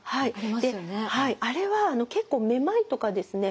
はいあれは結構めまいとかですね